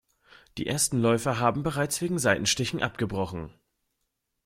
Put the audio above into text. Die ersten Läufer haben bereits wegen Seitenstichen abgebrochen.